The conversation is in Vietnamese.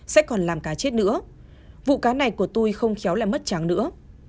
sẽ còn làm cá chết nữa vụ cá này của tôi không khéo lại mất tráng nữa